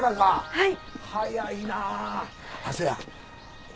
はい。